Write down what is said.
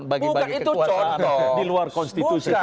bagi bagi kekuasaan di luar konstitusi